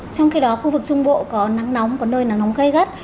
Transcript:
trong khi đó khu vực trung bộ có nắng nóng có nơi nắng nóng gây gắt